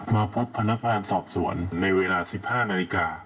มาพบพนักงานสอบสวนในเวลา๑๕นาฬิกา